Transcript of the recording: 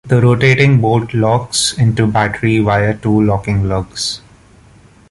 The rotating bolt locks into battery via two locking lugs.